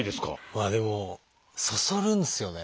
まあでもそそるんですよね。